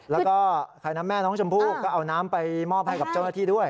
แล้วก็ใครนะแม่น้องชมพู่ก็เอาน้ำไปมอบให้กับเจ้าหน้าที่ด้วย